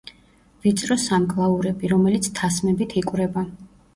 ვიწრო სამკლაურები, რომელიც თასმებით იკვრება.